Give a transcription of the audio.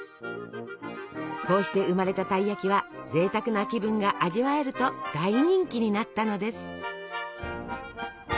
こうして生まれたたい焼きはぜいたくな気分が味わえると大人気になったのです。